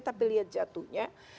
tapi lihat jatuhnya